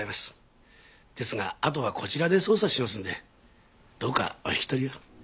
ですがあとはこちらで捜査しますのでどうかお引き取りを。